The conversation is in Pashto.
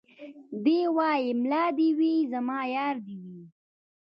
دی وايي ملا دي وي زما يار دي وي